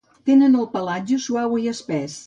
Tenen el pelatge suau i espès.